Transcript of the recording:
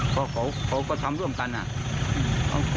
เขาก็ทำร่วมกันนะ